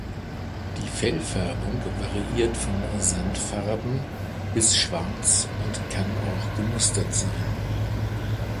Die Fellfärbung variiert von sandfarben bis schwarz und kann auch gemustert sein.